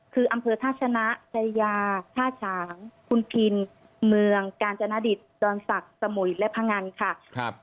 คืออำเภอท่าชนะชายาท่าฉางคุณพินเมืองกาญจนดิตดอนศักดิ์สมุยและพงันค่ะ